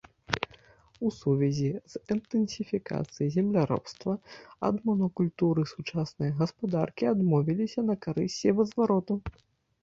У сувязі з інтэнсіфікацыяй земляробства ад монакультуры сучасныя гаспадаркі адмовіліся на карысць севазвароту.